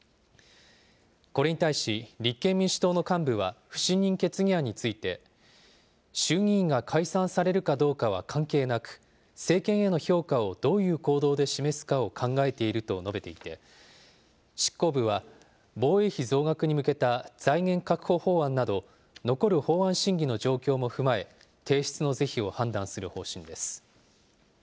これに対し立憲民主党の幹部は、不信任決議案について、衆議院が解散されるかどうかは関係なく、政権への評価をどういう行動で示すかを考えていると述べていて、執行部は、防衛費増額に向けた財源確保法案など、残る法案審議の状況も踏まえ、提出の是非を判断する方針です。